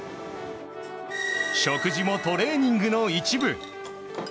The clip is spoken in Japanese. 食事もトレーニングの一部。